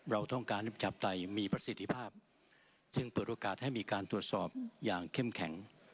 เราต้องการให้ประชาปไตยมีประสิทธิภาพจึงเปิดโอกาสให้มีการตรวจสอบอย่างเข้มแข็ง